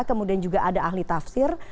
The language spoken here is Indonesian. kemudian juga ada ahli tafsir